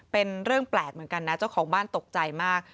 เป็นเรื่องแปลกเหมือนกันนะเจ้าของบ้านตกใจมาก